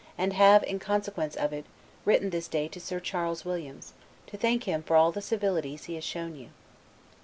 and have, in consequence of it, written this day to Sir Charles Williams, to thank him for all the civilities he has shown you.